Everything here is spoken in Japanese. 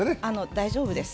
大丈夫です。